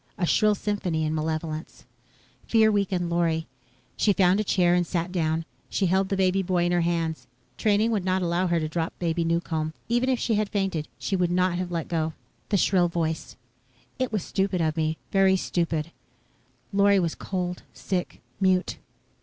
A shrill symphony in malevolence. Fear weakened Lorry. She found a chair and sat down. She held the boy baby in her hands. Training would not allow her to drop Baby Newcomb. Even if she had fainted, she would not have let go. The shrill voice: "It was stupid of me. Very stupid." Lorry was cold, sick, mute.